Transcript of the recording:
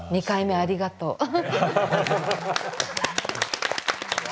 ２回目ありがとう。